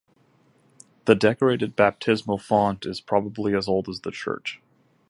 The decorated baptismal font is probably as old as the church.